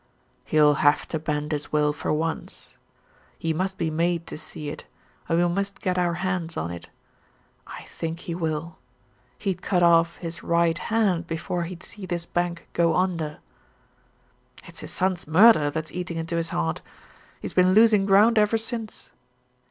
"He'll have to bend his will for once. He must be made to see it, and we must get our hands on it. I think he will. He'd cut off his right hand before he'd see this bank go under." "It's his son's murder that's eating into his heart. He's been losing ground ever since."